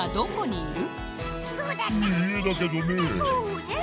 そうねえ。